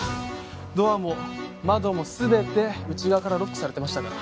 ドアも窓もすべて内側からロックされてましたから。